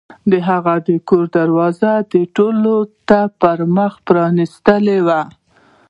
هغه د کور دروازه ټولو ته پرانیستې وه.